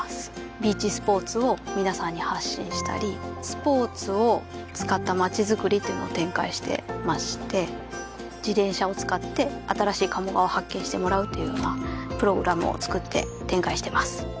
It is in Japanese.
ビーチスポーツをみなさんに発信したりスポーツを使ったまちづくりというのを展開してまして自転車を使って新しい鴨川を発見してもらうというようなプログラムを作って展開してます